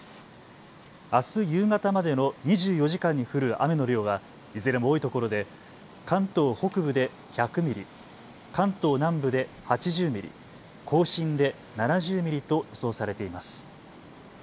あす夕方までの２４時間に降る雨の量はいずれも多いところで関東北部で１００ミリ、関東南部で８０ミリ、甲信で７０ミリと予想されています。